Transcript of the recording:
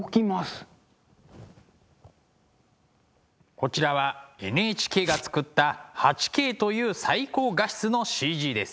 こちらはＮＨＫが作った８Ｋという最高画質のＣＧです。